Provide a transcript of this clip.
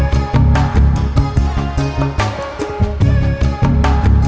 kamu akan jauh jauh